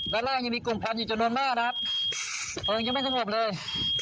ด้านล่างยังมีกลุ่มพันธุ์อยู่จนลงหน้านะครับตอนนี้ยังไม่สงสัยออกเลย